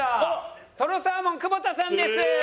とろサーモン久保田さんです。